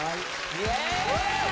イエーイ。